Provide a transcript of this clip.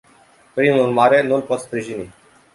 Prin urmare, nu îl pot sprijini.